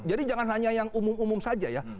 jadi jangan hanya yang umum umum saja ya